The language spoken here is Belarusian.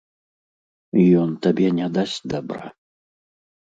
Ён табе не дасць дабра.